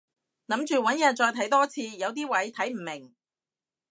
諗住搵日再睇多次，有啲位睇唔明